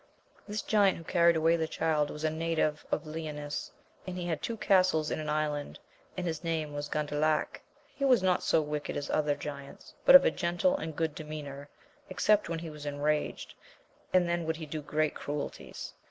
This giant, who carried away the child, was a native of Leonis, and he had two castles in an island, and his name was Gandalac. He was not so wicked as other giants, but of a gentle and good demeanour, except when he was enraged, and then would he do great cruelties.